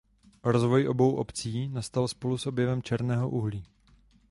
Rozvoj obou obcí nastal spolu s objevem černého uhlí.